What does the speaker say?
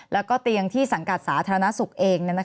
แล้วก็เตียงที่สังกัดสาธารณสุขเอง